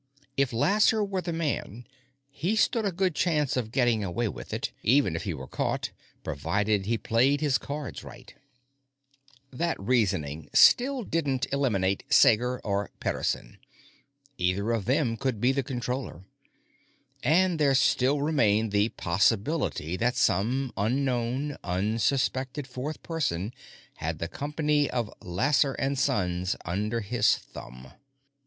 If Lasser were the man, he stood a good chance of getting away with it, even if he were caught, provided he played his cards right. That reasoning still didn't eliminate Sager or Pederson. Either of them could be the Controller. And there still remained the possibility that some unknown, unsuspected fourth person had the company of Lasser & Sons under his thumb.